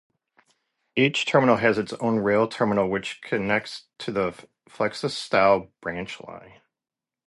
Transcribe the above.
Each terminal has its own rail terminal which connects to the Felixstowe Branch Line.